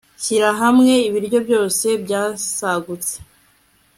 Shyira hamwe ibiryo byose byasagutse